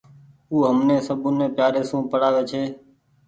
او همني سبوني پيآري سون پڙآوي ڇي۔